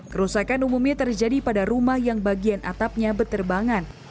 kerusakan umumnya terjadi pada rumah yang bagian atapnya berterbangan